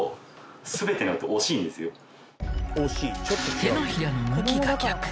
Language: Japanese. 手のひらの向きが逆。